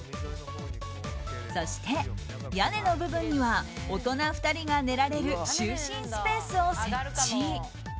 そして屋根の部分には大人２人が寝られる就寝スペースを設置。